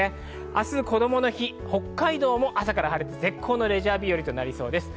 明日こどもの日、北海道も朝から晴れて絶好のレジャー日和となりそうです。